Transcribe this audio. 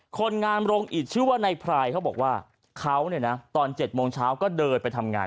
คนงานโรงอิดชื่อว่าในพรายเขาบอกว่าเขาเนี่ยนะตอน๗โมงเช้าก็เดินไปทำงาน